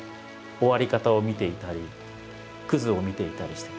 終わり方を見ていたりくずを見ていたりしてる。